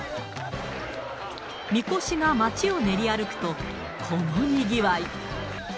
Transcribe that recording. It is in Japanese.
みこしが街を練り歩くと、このにぎわい。